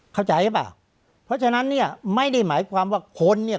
เข้าใจหรือเปล่าเพราะฉะนั้นเนี่ยไม่ได้หมายความว่าคนเนี่ย